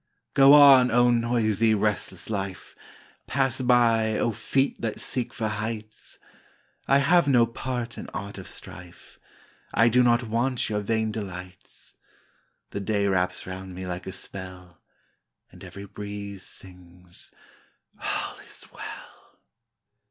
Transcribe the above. Go on, oh, noisy, restless life! Pass by, oh, feet that seek for heights! I have no part in aught of strife; I do not want your vain delights. The day wraps round me like a spell, And every breeze sings, "All is well."